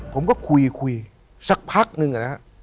ผมก็คุยสักพักนึง